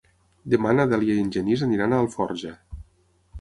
Demà na Dèlia i en Genís aniran a Alforja.